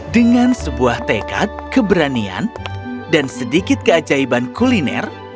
dengan sebuah tekad keberanian dan sedikit keajaiban kuliner